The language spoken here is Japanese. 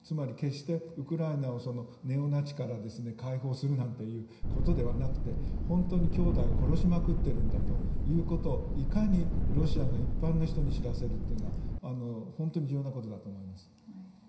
決してウクライナをネオナチから解放するなんてことではなくて本当にきょうだいを殺しまくっているんだということをいかにロシアの一般の人に知らせるかが本当に重要なことだと思います。